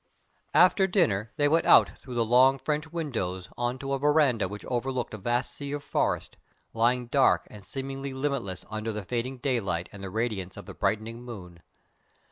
After dinner they went out through the long French windows on to a verandah which overlooked a vast sea of forest, lying dark and seemingly limitless under the fading daylight and the radiance of the brightening moon.